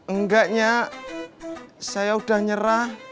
enggak nyak saya udah nyerah